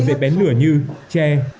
dễ bén lửa như chè